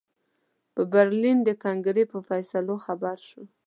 په برلین د کنګرې په فیصلو خبر شو.